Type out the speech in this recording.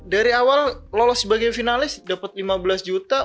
dari awal lolos sebagai finalis dapat lima belas juta